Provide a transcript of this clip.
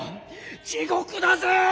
地獄だぜ！